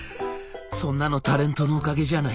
そんなのタレントのおかげじゃないか。